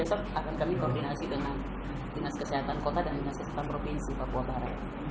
besok akan kami koordinasi dengan dinas kesehatan kota dan dinas kesehatan provinsi papua barat